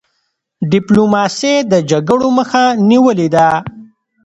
ډيپلوماسی د جګړو مخه نیولې ده.